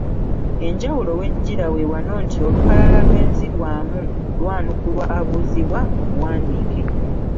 Enjawulo w’ejjira we wano nti olukalala lw’enzirwamu lwanukulwa abuuzibwa mu buwandiike.